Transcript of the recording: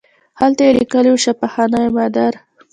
هلته یې لیکلي وو شفاخانه مادر.